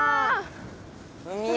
海や！